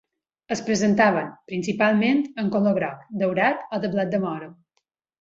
Es presentaven, principalment, en color groc, daurat o de blat de moro.